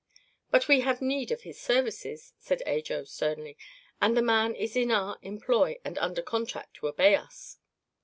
"But we have need of his services," said Ajo sternly, "and the man is in our employ and under contract to obey us."